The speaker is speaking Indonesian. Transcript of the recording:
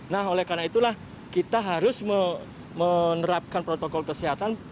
nah oleh karena itulah kita harus menerapkan protokol kesehatan